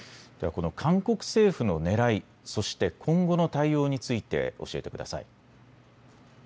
この韓国政府のねらい、そして今後の対応について教えてください。